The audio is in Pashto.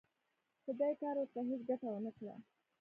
خو دې کار ورته هېڅ ګټه ونه کړه